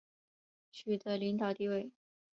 取得领导地位